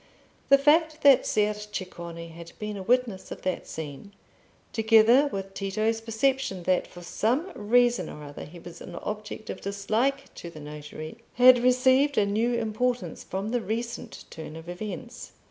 The fact that Ser Ceccone had been a witness of that scene, together with Tito's perception that for some reason or other he was an object of dislike to the notary, had received a new importance from the recent turn of events.